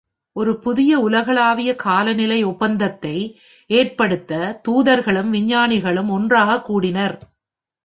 ஒரு புதிய உலகளாவிய காலநிலை ஒப்பந்தத்தை ஏற்படுத்த தூதர்களும் விஞ்ஞானிகளும் ஒன்றாகக் கூடினர்.